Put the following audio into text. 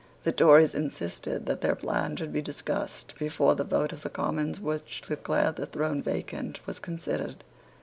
The Tories insisted that their plan should be discussed before the vote of the Commons which declared the throne vacant was considered.